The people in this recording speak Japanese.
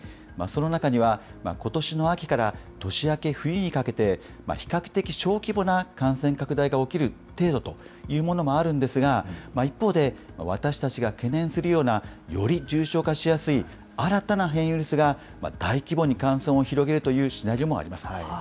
その中にはことしの秋から年明け冬にかけて、比較的小規模な感染拡大が起きる程度というものもあるんですが、一方で、私たちが懸念するような、より重症化しやすい新たな変異ウイルスが、大規模に感染を広げるというシナリオもあります。